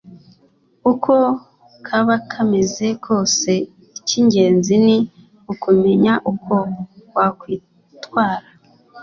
Uko kaba kameze kose icy’ ingenzi ni ukumenya uko wakwitwara